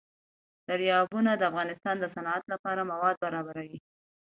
دریابونه د افغانستان د صنعت لپاره مواد برابروي.